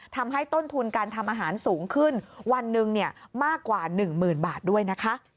ทำให้ต้นทุนการทำอาหารสูงขึ้นวันหนึ่งมากกว่า๑๐๐๐บาทด้วยนะคะ